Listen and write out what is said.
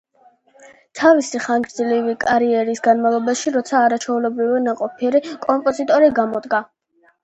თავისი ხანგძლივი კარიერის განმავლობაში როტა არაჩვეულებრივად ნაყოფიერი კომპოზიტორი გამოდგა.